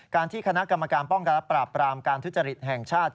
ที่คณะกรรมการป้องกันและปราบปรามการทุจริตแห่งชาติ